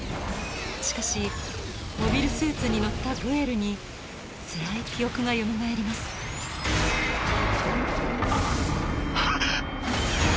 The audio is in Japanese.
しかしモビルスーツに乗ったグエルにつらい記憶がよみがえりますはっ！